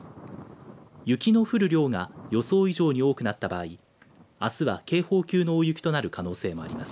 雪の降る量が予想以上に多くなった場合あすは警報級の大雪となる可能性もあります。